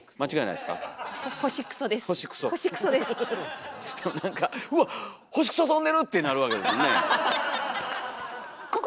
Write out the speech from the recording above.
でも何か「うわっ星クソ飛んでる！」ってなるわけですもんね。